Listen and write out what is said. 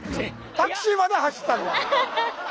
タクシーまでは走ったんだ。